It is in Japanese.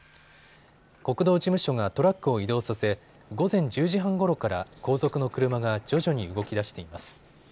国道事務所がトラックを移動させ午前１０時半ごろから後続の車が徐々に動きだしています。